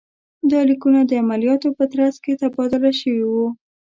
دا لیکونه د عملیاتو په ترڅ کې تبادله شوي وو.